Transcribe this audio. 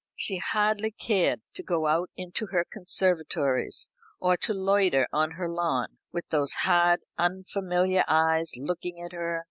She hardly cared to go into her conservatories, or to loiter on her lawn, with those hard unfamiliar eyes looking at her.